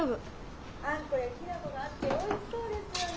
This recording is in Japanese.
「あんこやきな粉があっておいしそうですよね。